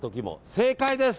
正解です。